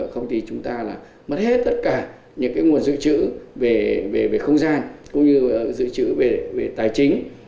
không thì chúng ta mất hết tất cả những nguồn dự trữ về không gian cũng như dự trữ về tài chính